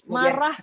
marah kesal kecewa